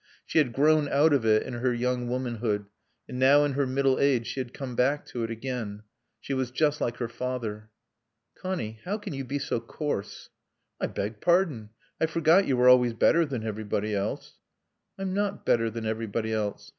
She had "grown out of it" in her young womanhood, and now in her middle age she had come back to it again. She was just like her father. "Connie, how can you be so coarse?" "I beg pardon. I forgot you were always better than everybody else." "I'm not better than everybody else.